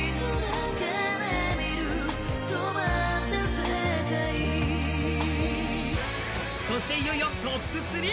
それがそしていよいよトップ３！